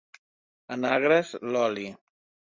En Agres, l'oli.